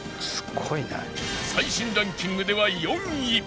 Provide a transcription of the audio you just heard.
最新ランキングでは４位